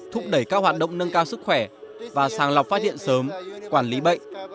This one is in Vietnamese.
thúc đẩy các hoạt động nâng cao sức khỏe và sàng lọc phát hiện sớm quản lý bệnh